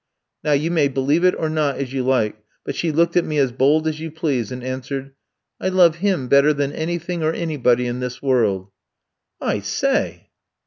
"Now you may believe it or not as you like, but she looked at me as bold as you please, and answered: "'I love him better than anything or anybody in this world.' "'I say!'